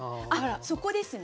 そこですね